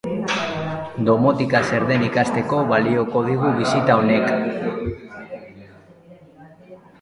Domotika zer den ikasteko balioko digu bisita honek.